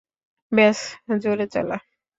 ব্যস জোরে চালা।